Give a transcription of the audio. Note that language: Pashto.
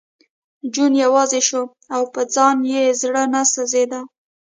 جون یوازې شو او په ځان یې زړه نه سېزېده